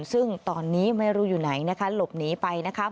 ซึ่งตอนนี้ไม่รู้อยู่ไหนนะคะหลบหนีไปนะคะ